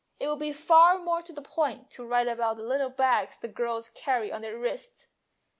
It would be far more to the point to write about the little bags the girls carry on their wrists.